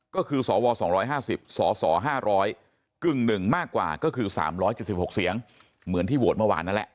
ก็คือสว๒๕๐สส๕๐๐กึ่งหนึ่งมากกว่าก็คือ๓๗๖เสียงเหมือนที่โหวตเมื่อวานนั่นแหละ